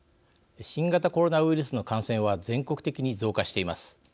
新型コロナウイルスの感染は全国的に増加しています。